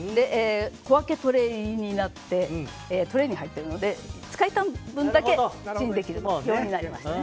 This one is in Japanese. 小分けトレーになってトレーに入っているので使いたい分だけチンできるようになりました。